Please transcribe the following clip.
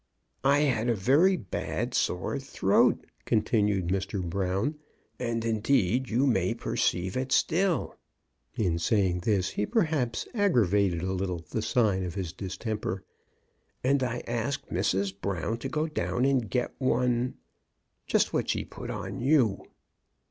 I had a very bad sore throat," continued Mr. Brown, " and indeed you may perceive it still "— in saying this he perhaps aggravated a little the sign of his distemper — "and I asked 'Mrs. Brown to go down and get one — just what she put on you."